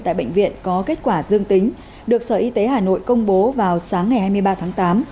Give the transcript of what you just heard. tại bệnh viện có kết quả dương tính được sở y tế hà nội công bố vào sáng ngày hai mươi ba tháng tám